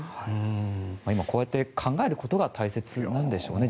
今、こうやって考えることが大切なんでしょうね。